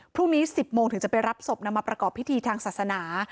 พรุ่งนี้๑๐โมงถึงจะไปรับศพนำมาประกอบพิธีทางศาสนา